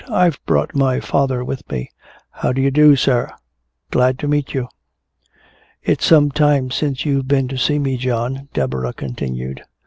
I've brought my father with me." "Howdado, sir, glad to meet you." "It's some time since you've been to see me, John," Deborah continued.